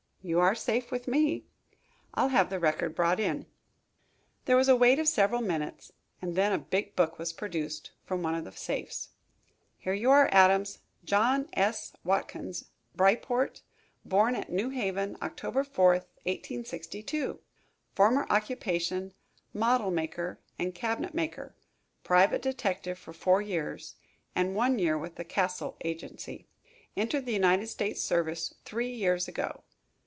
"You are safe with me." "I'll have the record brought in." There was a wait of several minutes, and then a big book was produced from one of the safes. "Here you are, Adams: John S. Watkins, Bryport. Born at New Haven, October 4, 1862. Former occupation, model maker and cabinet maker. Private detective for four years, and one year with the Cassell agency. Entered the United States service three years ago.